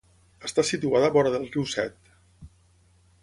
Està situada vora del riu Set.